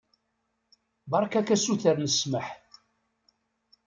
Beṛka-k asuter n ssmaḥ.